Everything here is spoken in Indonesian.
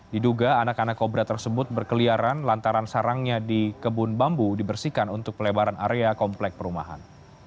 diduga anak anak kobra tersebut berkeliaran lantaran sarangnya di kebun bambu dibersihkan untuk pelebaran area komplek perumahan